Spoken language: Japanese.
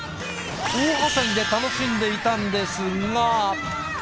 大はしゃぎで楽しんでいたんですが。